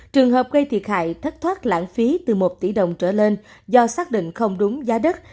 trường hợp gây thiệt hại thất thoát lãng phí từ một tỷ đồng trở lên do xác định không đúng giá đất